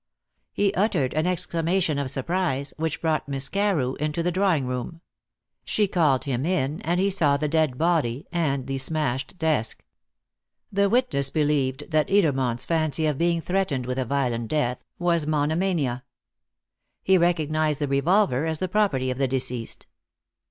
He uttered an exclamation of surprise, which brought Miss Carew into the drawing room. She called him in, and he saw the dead body and the smashed desk. He was not aware that Mr. Edermont had enemies. The witness believed that Edermont's fancy of being threatened with a violent death was monomania. He recognised the revolver as the property of the deceased.